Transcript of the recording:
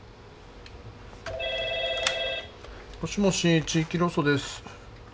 もしもし地域労組です。